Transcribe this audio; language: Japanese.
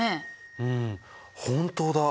うん本当だ。